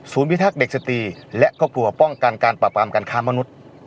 ศูนย์วิทักษ์เด็กสตีและก็ปลัวป้องการการปรับปรามกันข้ามมนุษย์